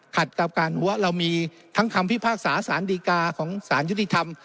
กับการหัวเรามีทั้งคำพิพากษาสารดีกาของสารยุติธรรม